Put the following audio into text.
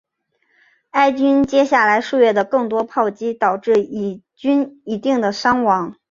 埃军接下来数月的更多炮击导致以军一定的伤亡。